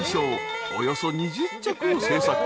およそ２０着を製作］